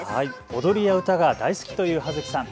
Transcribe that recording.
踊りや歌が大好きという葉月さん。